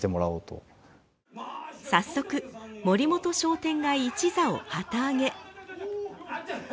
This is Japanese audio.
早速森本商店街一座を旗揚げ。